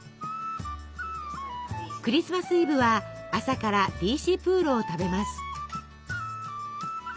クリスマスイブは朝からリーシプーロを食べます。